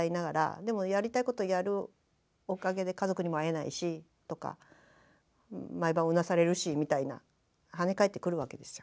でもやりたいことやるおかげで家族にも会えないしとか毎晩うなされるしみたいな跳ね返ってくるわけですよ。